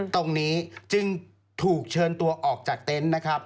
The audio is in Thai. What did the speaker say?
ตรงนี้จึงถูกเชินตัวออกจากเต็นต์